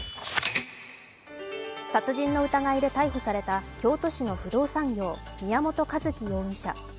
殺人の疑いで逮捕された京都市の不動産業宮本一希容疑者。